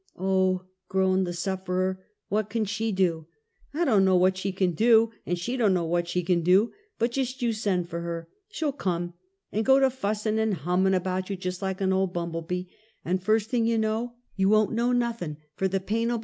" Oh!" groaned the sufferer, "what can she do?" " I don't know what she can do; an' slie don't know what she can do; but just you send for her! She'll come, and go to fussin' an' liuramin' about just like an old bumble bee, an' furst thing you know you won't Drop my Alias.